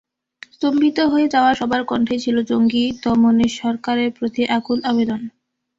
স্তম্ভিত হয়ে যাওয়া সবার কণ্ঠেই ছিল জঙ্গি দমনে সরকারের প্রতি আকুল আবেদন।